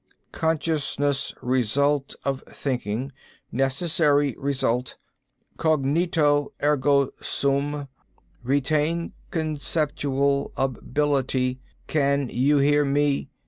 Consciousness result of thinking. Necessary result. Cognito ergo sum. Retain conceptual ability. Can you hear me?"